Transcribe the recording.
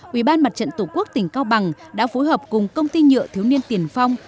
ủy ban mặt trận tổ quốc tỉnh cao bằng đã phối hợp cùng công ty nhựa thiếu niên tiền phong